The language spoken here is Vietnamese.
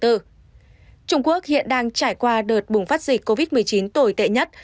trung quốc hiện đang trải qua đợt bùng phát dịch covid một mươi chín tồi tệ nhất